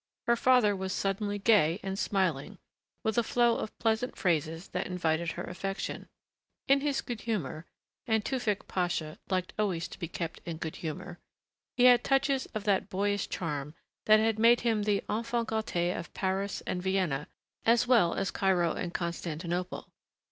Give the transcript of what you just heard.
Her father was suddenly gay and smiling, with a flow of pleasant phrases that invited her affection. In his good humor and Tewfick Pasha liked always to be kept in good humor he had touches of that boyish charm that had made him the enfant gâté of Paris and Vienna as well as Cairo and Constantinople.